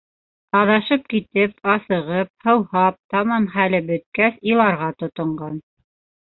Аҙашып китеп, асығып, һыуһап, тамам хәле бөткәс, иларға тотонған.